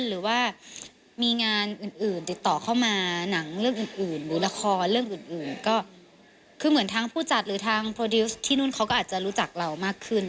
หรือว่ามีงานอื่นติดต่อเข้ามาหนังเรื่องอื่นหรือละครเรื่องอื่นก็คือเหมือนทางผู้จัดหรือทางโปรดิวส์ที่นู่นเขาก็อาจจะรู้จักเรามากขึ้น